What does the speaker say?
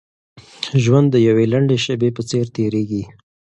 ژوند د يوې لنډې شېبې په څېر تېرېږي.